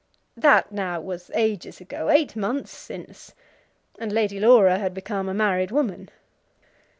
That now was ages ago, eight months since; and Lady Laura had become a married woman.